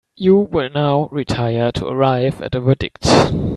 You will now retire to arrive at a verdict.